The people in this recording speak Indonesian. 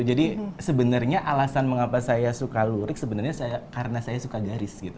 jadi sebenarnya alasan mengapa saya suka lurik sebenarnya karena saya suka garis gitu